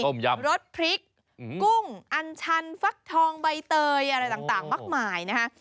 ยำรสพริกกุ้งอันชันฟักทองใบเตยอะไรต่างมากมายนะฮะ